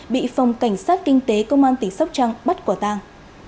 bị phòng cảnh sát kinh tế công an tỉnh sóc trăng bắt quả tang